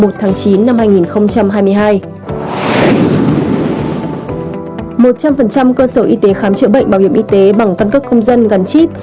một trăm linh cơ sở y tế khám chữa bệnh bảo hiểm y tế bằng căn cước công dân gắn chip